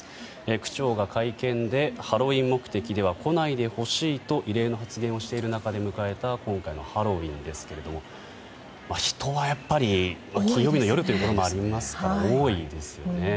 区長が会見でハロウィーン目的では来ないでほしいと異例の発言をしている中で迎えた今回のハロウィーンですけれども人はやっぱり金曜日の夜ということもありますから多いですよね。